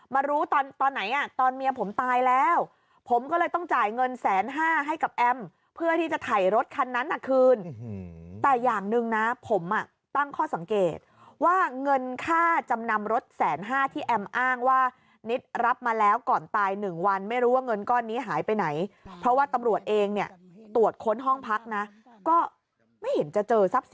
มารู้ตอนตอนไหนอ่ะตอนเมียผมตายแล้วผมก็เลยต้องจ่ายเงินแสนห้าให้กับแอมเพื่อที่จะถ่ายรถคันนั้นน่ะคืนแต่อย่างหนึ่งนะผมอ่ะตั้งข้อสังเกตว่าเงินค่าจำนำรถแสนห้าที่แอมอ้างว่านิดรับมาแล้วก่อนตาย๑วันไม่รู้ว่าเงินก้อนนี้หายไปไหนเพราะว่าตำรวจเองเนี่ยตรวจค้นห้องพักนะก็ไม่เห็นจะเจอทรัพย์สิน